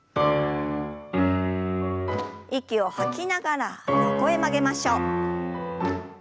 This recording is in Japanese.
息を吐きながら横へ曲げましょう。